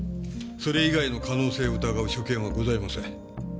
それ以外の可能性を疑う所見はございません。